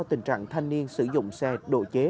tình trạng thanh niên sử dụng xe đổ chế